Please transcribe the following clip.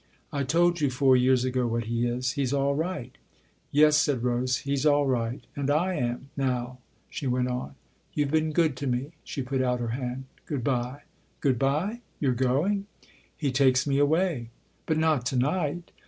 " I told you four years ago what he is. He's all right." " Yes," said Rose " he's all right. And / am now," she went on. " You've been good to me." She put out her hand. " Good bye." " Good bye ? You're going ?"" He takes me away." " But not to night